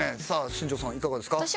さあ新條さんいかがですか？